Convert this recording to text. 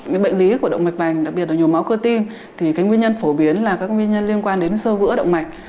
cái bệnh lý của động mạch bành đặc biệt là nhồi máu cơ tim thì cái nguyên nhân phổ biến là các nguyên nhân liên quan đến sơ vữa động mạch